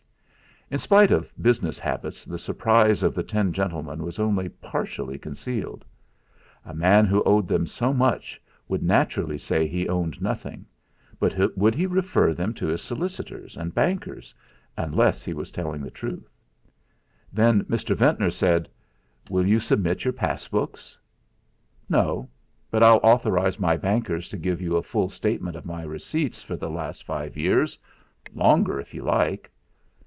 In spite of business habits the surprise of the ten gentlemen was only partially concealed. A man who owed them so much would naturally say he owned nothing, but would he refer them to his solicitors and bankers unless he were telling the truth? Then Mr. Ventnor said: "Will you submit your pass books?" "No, but I'll authorise my bankers to give you a full statement of my receipts for the last five years longer, if you like."